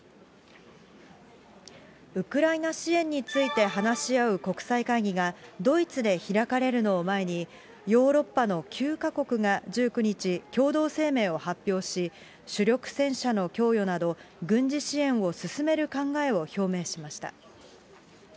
ウクライナ支援について話し合う国際会議が、ドイツで開かれるのを前に、ヨーロッパの９か国が１９日、共同声明を発表し、主力戦車の供与など、軍事支援を進める考えを表明しました。